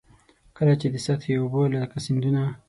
کله چي د سطحي اوبو لکه سیندونه.